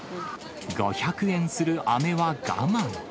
５００円するあめは我慢。